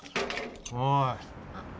おい。